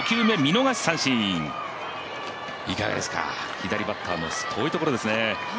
左バッターの遠いところですね。